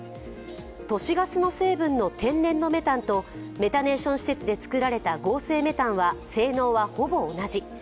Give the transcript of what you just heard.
都市ガスの成分の天然のメタンとメタネーション施設で作られた合成メタンは性能はほぼ同じ。